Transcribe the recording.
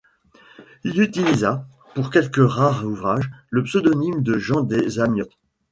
Il utilisa, pour quelques rares ouvrages, le pseudonyme de Jean des Amiots.